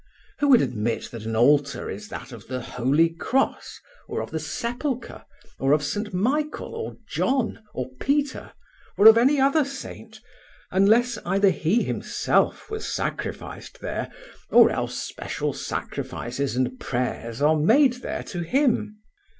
Who would admit that an altar is that of the Holy Cross, or of the Sepulchre, or of St. Michael, or John, or Peter, or of any other saint, unless either he himself was sacrificed there or else special sacrifices and prayers are made there to him?